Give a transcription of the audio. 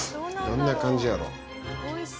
どんな感じやろ？